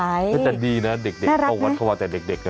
น่ารักไหมน่าจะดีนะเด็กเขาวัดเข้ามาแต่เด็กเนี่ยเนอะ